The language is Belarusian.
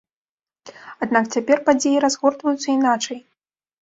Аднак цяпер падзеі разгортваюцца іначай.